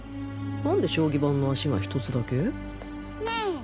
何で将棋盤の脚が１つだけ？ねぇ。